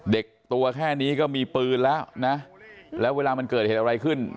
เด็กตัวแค่นี้ก็มีปืนแล้วนะแล้วเวลามันเกิดเหตุอะไรขึ้น